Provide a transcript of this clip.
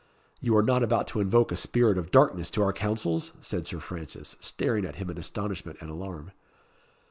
"You are not about to invoke a spirit of darkness to our councils?" said Sir Francis, staring at him in astonishment and alarm.